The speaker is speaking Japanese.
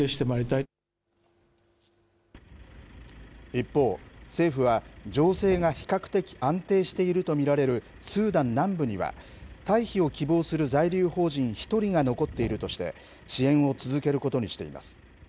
一方、政府は情勢が比較的安定していると見られるスーダン南部には、退避を希望する在留邦人１人が残っているとして、支援を続けることにしています。